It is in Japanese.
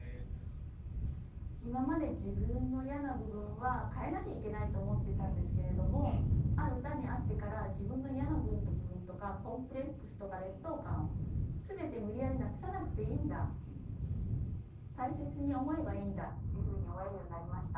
今まで自分の嫌な部分は変えなきゃいけないと思っていたんですけれどもある歌に会ってから自分の嫌な部分とかコンプレックスとか劣等感を全て無理やりなくさなくていいんだ大切に思えばいいんだっていうふうに思えるようになりました。